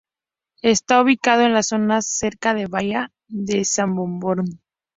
Está ubicado en la zona cercana a la Bahía de Samborombón.